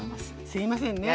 すいませんね。